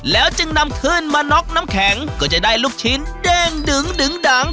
แล้วจึงนำขึ้นมาน็อกน้ำแข็งก็จะได้ลูกชิ้นเด้งดึงดัง